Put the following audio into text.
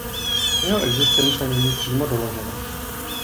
Jeho existence není přímo doložena.